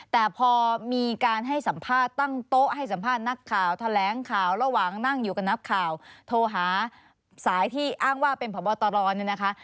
แต่พอมีการให้สัมภาษณ์ตั้งโต๊ะให้สัมภาษณ์นักข่าวแถลงข่าวระหว่างนั่งอยู่กับนักข่าวโทรหาสายที่อ้างว่าเป็นพบตรเนี่ยนะคะ